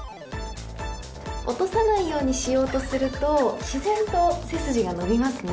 落とさないようにすると自然と背筋が伸びますね。